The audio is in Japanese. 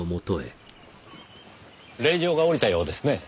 令状が下りたようですね。